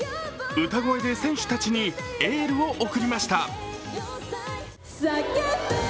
歌声で選手たちにエールを送りました。